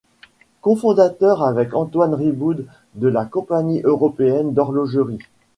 Cofondateur avec Antoine Riboud de la Compagnie européenne d'horlogerie.